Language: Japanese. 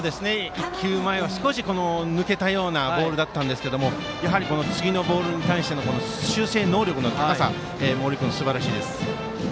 １球前は抜けたようなボールでしたがやはり次のボールに対しての修正能力の高さ森君、すばらしいですね。